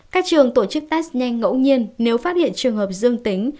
các trường tổ chức test nhanh ngẫu nhiên nếu phát hiện trường hợp dương tính